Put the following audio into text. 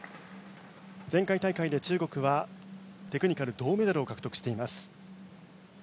前回大会で中国はテクニカル銅メダルを獲得しています。